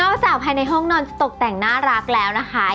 จากภายในห้องนอนจะตกแต่งน่ารักแล้วนะคะ